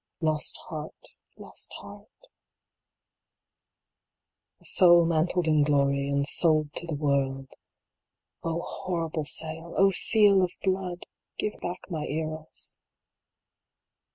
Lost Heart, lost Heart ! VI. A soul mantled in glory, and sold to the world ; 60 SALE OF SOULS. O horrible sale ! O seal of blood ! Give back my Eros.